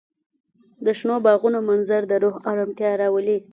د شنو باغونو منظر د روح ارامتیا راولي.